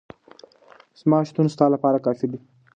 زما شتون ستا لپاره کافي دی.